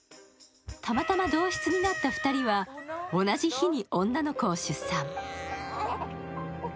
たまたま同室になった２人は同じ日に女の子を出産。